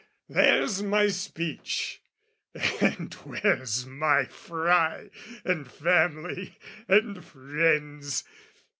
There's my speech And where's my fry, and family and friends?